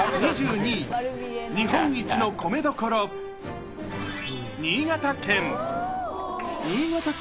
２２位、日本一の米どころ、新潟県。